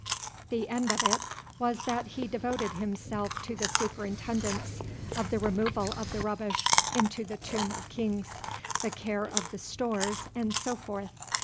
The end of it was that he devoted himself to the superintendence of the removal of the rubbish into the Tomb of Kings, the care of the stores and so forth.